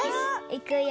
いくよ。